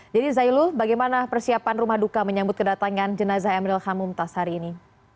jadi zayul bagaimana persiapan rumah duka menyambut kedatangan jenazah emeril kanbumtas hari ini